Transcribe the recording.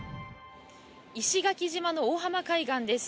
石垣島の大浜海岸です。